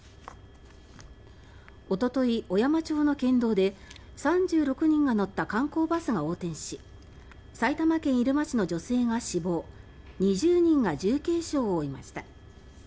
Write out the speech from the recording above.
おととい、小山町の県道で３６人が乗った観光バスが横転し埼玉県入間市の女性が死亡２０人が重軽傷を負いました。